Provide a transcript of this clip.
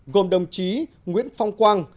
gồm đồng chí nguyễn phong quang